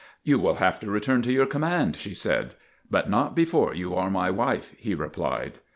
"You will have to return to your command," she said. "But not before you are my wife," he replied.